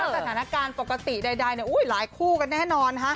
สถานการณ์ปกติใดหลายคู่กันแน่นอน